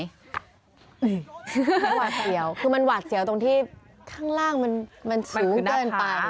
คือหวาดเสียวคือมันหวาดเสียวตรงที่ข้างล่างมันสูงเกินไป